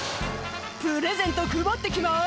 「プレゼント配って来ます